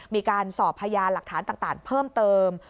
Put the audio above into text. มีการสอบพยานหลักฐานต่างเพิ่มเติม